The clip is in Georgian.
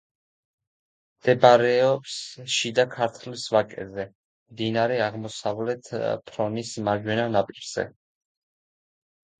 მდებარეობს შიდა ქართლის ვაკეზე, მდინარე აღმოსავლეთ ფრონის მარჯვენა ნაპირზე.